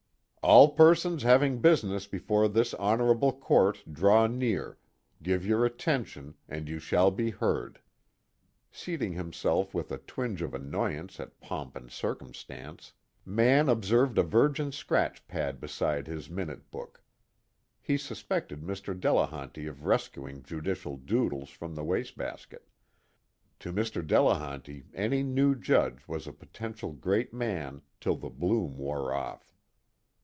"All persons having business before this honorable court draw near, give your attention, and you shall be heard!" Seating himself with a twinge of annoyance at pomp and circumstance, Mann observed a virgin scratch pad beside his minute book. He suspected Mr. Delehanty of rescuing judicial doodles from the wastebasket: to Mr. Delehanty any new judge was a potential Great Man till the bloom wore off.